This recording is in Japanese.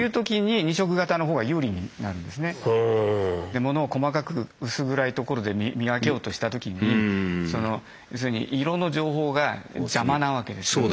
で物を細かく薄暗いところで見分けようとした時にその要するに色の情報が邪魔なわけですから。